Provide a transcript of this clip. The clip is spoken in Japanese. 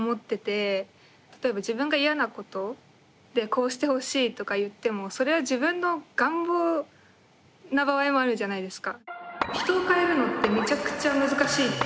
例えば自分がイヤなことでこうしてほしいとか言ってもそれは自分の願望な場合もあるじゃないですか。